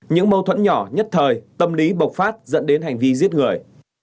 những mâu thuẫn nhỏ nhất thời tâm lý bộc phát dẫn đến hành vi giết người